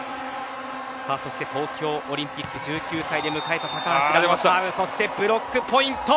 そして東京オリンピック１９歳で迎える高橋そして、ブロックポイント。